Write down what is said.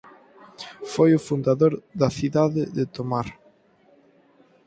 Foi o fundador da cidade de Tomar.